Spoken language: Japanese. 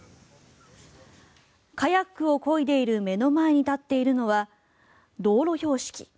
カヤックをこいでいる目の前に立っているのは道路標識。